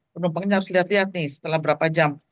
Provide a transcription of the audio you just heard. penumpangnya harus lihat lihat nih setelah berapa jam